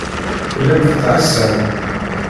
Tellam tettɛassam.